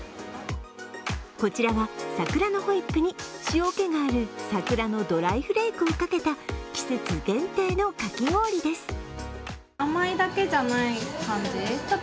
こちらは桜のホイップに塩気がある桜のドライフレークをかけた季節限定のかき氷です。